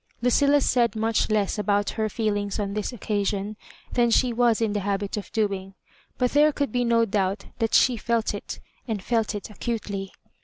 Lucilla said much less about her feelings on this occasion than she was in the habit of doing, but there could be no doubt that she felt it, and felt it acutely.